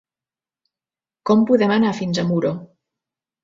Com podem anar fins a Muro?